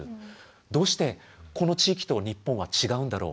どうしてこの地域と日本は違うんだろう？